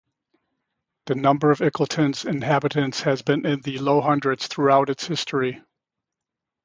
The number of Ickleton's inhabitants has been in the low hundreds throughout its history.